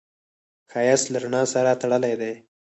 ښایست له رڼا سره تړلی دی